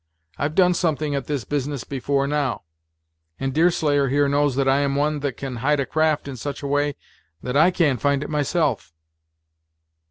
I've done something at this business before now, and Deerslayer here knows that I am one that can hide a craft in such a way that I can't find it myself."